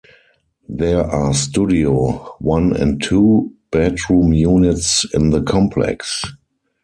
There are studio, one, and two bedroom units in the complex.